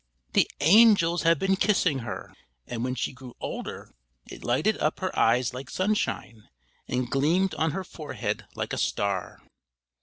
the angels have been kissing her!" And when she grew older it lighted up her eyes like sunshine, and gleamed on her forehead like a star.